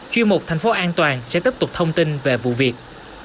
chuyên mục thành phố an toàn sẽ tiếp tục thông tin về vụ việc